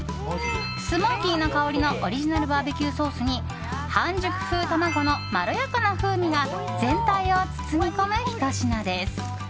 スモーキーな香りのオリジナルバーベキューソースに半熟風卵のまろやかな風味が全体を包み込むひと品です。